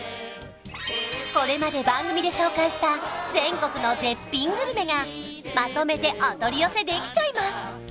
これまで番組で紹介した全国の絶品グルメがまとめてお取り寄せできちゃいます